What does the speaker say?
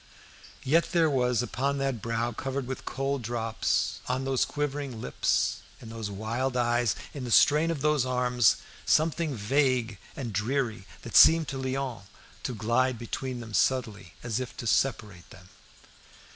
Yet there was upon that brow covered with cold drops, on those quivering lips, in those wild eyes, in the strain of those arms, something vague and dreary that seemed to Léon to glide between them subtly as if to separate them.